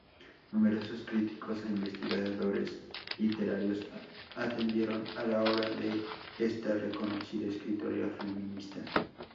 Numerosos críticos e investigadores literarios atendieron a la obra de esta reconocida escritora feminista.